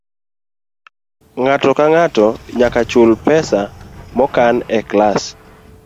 Ng'ato ka ng'ato nyaka chul pesa mokan e klas.